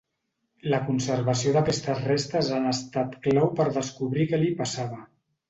La conservació d'aquestes restes han estat clau per descobrir què li passava.